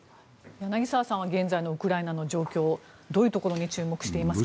柳澤さんは現在のウクライナの状況どういうところに注目していますか？